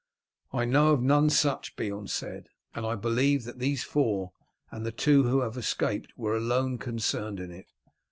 "I know of none such," Beorn said, "and believe that these four and the two who have escaped were alone concerned in it.